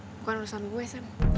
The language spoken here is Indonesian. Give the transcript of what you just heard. bukan urusan gue sam